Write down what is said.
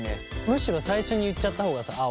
むしろ最初に言っちゃった方がさああ